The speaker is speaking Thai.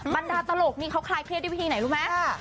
บรรดาตลกนี่เขาคลายเพลียดที่วิธีไหนรู้ไหมใช่